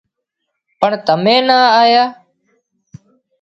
پڻ تمين نا آيان